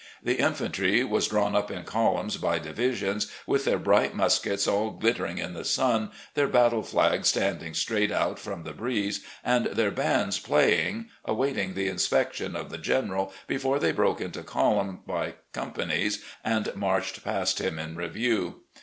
The infantry was drawn up in column by divisions, with THE ARMY OP NORTHERN VmOINIA 107 their bright muskets all glittering in the sun, their battle flags standing straight out before the breeze, and their bands pla3dng, awaiting the inspection of the General, before they broke into column by companies and marched past him in review.